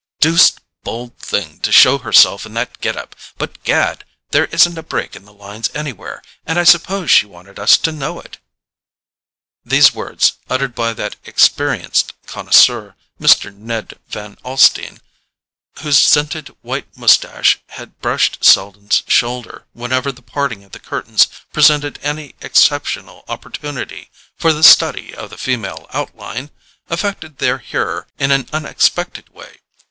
"Deuced bold thing to show herself in that get up; but, gad, there isn't a break in the lines anywhere, and I suppose she wanted us to know it!" These words, uttered by that experienced connoisseur, Mr. Ned Van Alstyne, whose scented white moustache had brushed Selden's shoulder whenever the parting of the curtains presented any exceptional opportunity for the study of the female outline, affected their hearer in an unexpected way.